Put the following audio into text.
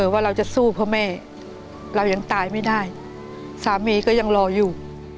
ว่าเราจะสู้เพราะแม่เรายังตายไม่ได้สามีก็ยังรออยู่